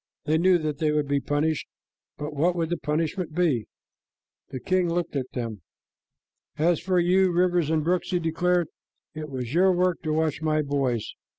They knew that they would be punished, but what would the punishment be? The king looked at them. "As for you, rivers and brooks," he declared, "it was your work to watch my boys.